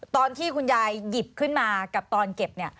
ตอนที่คุณยายหยิบขึ้นมากับตอนเก็บ